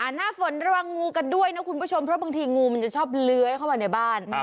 หน้าฝนระวังงูกันด้วยนะคุณผู้ชมเพราะบางทีงูมันจะชอบเลื้อยเข้ามาในบ้าน